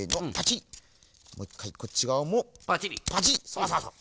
そうそうそう。